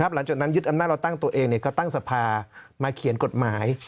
หลังจากนั้นยึดอำนาจเราตั้งตัวเองก็ตั้งสภามาเขียนกฎหมาย